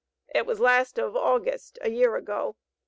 It was the last of August a year ago.